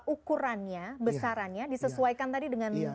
ukurannya besarannya disesuaikan tadi dengan konversi satu